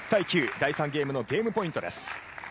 第３ゲームのゲームポイントです。